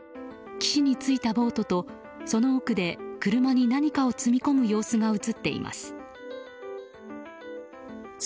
岸に着いたボートと、その奥で車に何かを積み込む様子が映っています。